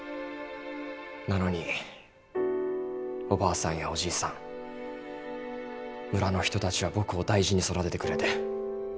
なのにおばあさんやおじいさん村の人たちは僕を大事に育ててくれて。